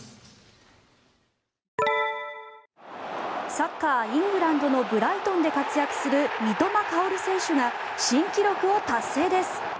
サッカー、イングランドのブライトンで活躍する三笘薫選手が新記録を達成です。